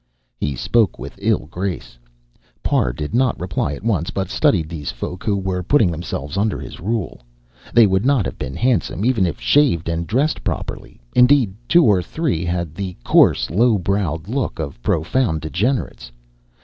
He spoke with ill grace. Parr did not reply at once, but studied these folk who were putting themselves under his rule. They would not have been handsome even if shaved and dressed properly. Indeed, two or three had the coarse, low browed look of profound degenerates.